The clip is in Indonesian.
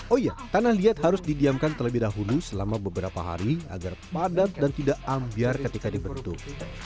oh iya tanah liat harus didiamkan terlebih dahulu selama beberapa hari agar padat dan tidak ambiar ketika dibentuk